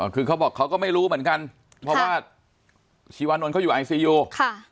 คือเขาบอกเขาก็ไม่รู้เหมือนกันเพราะว่าชีวานนท์เขาอยู่ไอซียูค่ะ